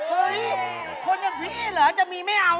เฮ้ยคนอย่างพี่เหรอจะมีไม่เอา